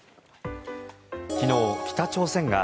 昨日、北朝鮮が